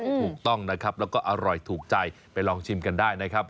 ถูกต้องนะครับแล้วก็อร่อยถูกใจไปลองชิมกันได้นะครับ